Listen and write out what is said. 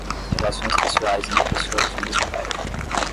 Relações pessoais entre pessoas do mesmo bairro.